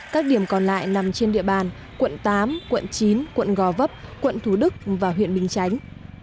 các điểm còn lại nằm trên địa bàn quận tám quận chín quận gò vấp quận thủ đức và huyện bình chánh